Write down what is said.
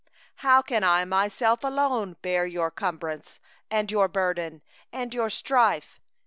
— 12How can I myself alone bear your cumbrance, and your burden, and your strife?